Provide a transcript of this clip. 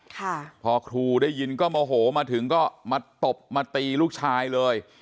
ค่ะพอครูได้ยินก็โมโหมาถึงก็มาตบมาตีลูกชายเลย